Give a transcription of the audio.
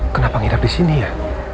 kenapa ngidap di sini ya